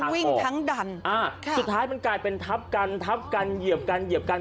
วิ่งทั้งดันสุดท้ายมันกลายเป็นทับกันทับกันเหยียบกันเหยียบกัน